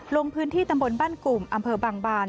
ลงพื้นที่ตำบลบ้านกลุ่มอำเภอบางบาน